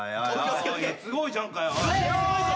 すごいじゃんかよ。